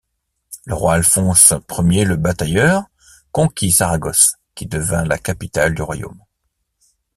Le roi Alphonse I le Batailleur conquit Saragosse, qui devint la capitale du royaume.